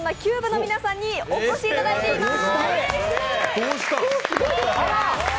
−の皆さんにお越しいただいています。